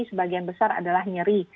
sebagian besar adalah nyeri